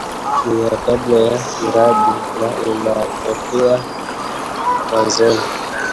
ni ya kabla ya irabu na inatokea mwanzoni